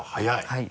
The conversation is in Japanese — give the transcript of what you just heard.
はい。